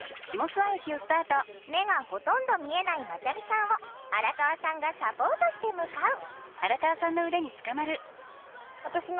目がほとんど見えないまちゃみさんを荒川さんがサポートして向かう。